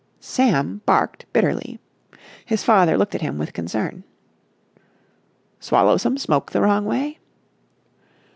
Sam barked bitterly. His father looked at him with concern. "Swallow some smoke the wrong way?"